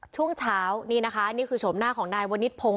ช่วงเช้านี่นะคะนี่คือโฉมหน้าของนายวนิทพงศ